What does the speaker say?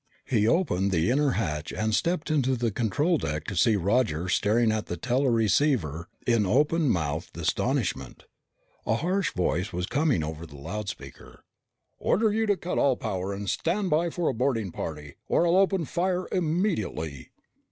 He opened the inner hatch and stepped into the control deck to see Roger staring at the teleceiver in openmouthed astonishment. A harsh voice was coming over the loud speaker. "... Order you to cut all power and stand by for a boarding party, or I'll open fire immediately!"